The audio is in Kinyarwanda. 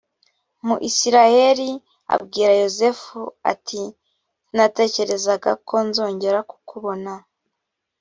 m isirayeli abwira yozefu ati sinatekerezaga ko nzongera kukubona